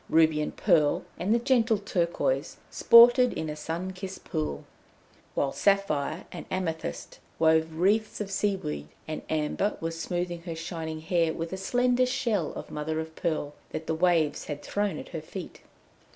Ruby and Pearl, and the gentle Turquoise sported in a sun kissed pool; while Sapphire and Amethyst wove wreaths of seaweed, and Amber was smoothing her shining hair with a slender shell of mother of pearl that the waves had thrown at her feet.